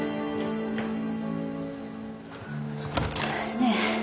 ねえ？